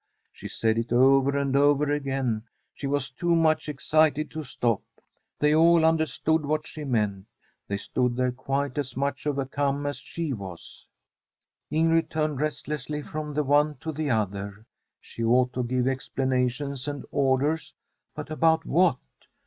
She said it over and over again. She was too much excited to stop. They all understood what she meant. They stood there quite as much overcome as she was. Ingrid turned restlessly from the one to the other. She ought to give explanations and orders, but about what